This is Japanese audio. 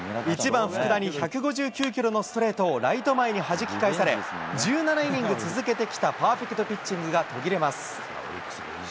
１、１番福田に１５９キロのストレートをライト前にはじき返され、１７イニング続けてきたパーフェクトピッチングが途切れます。